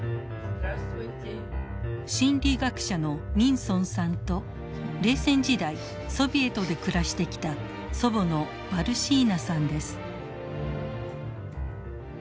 心理学者のミンソンさんと冷戦時代ソビエトで暮らしてきた祖母のバルシーナさんです。